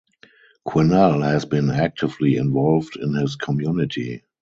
Quennell has been actively involved in his community.